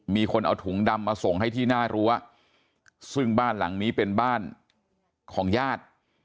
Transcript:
มีคนเอาถุงดำมาส่งให้ที่หน้ารั้วซึ่งบ้านหลังนี้เป็นบ้านของญาติ